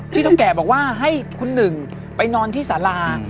เท่าแก่บอกว่าให้คุณหนึ่งไปนอนที่สารา